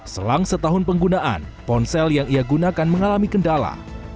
selang setahun penggunaan ponsel yang ia gunakan mengalami kendala